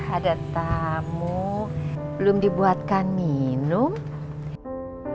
ada tamu belum dibuatkan minum